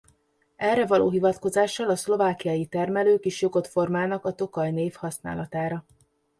Erre való hivatkozással a szlovákai termelők is jogot formálnak a Tokaj név használatára.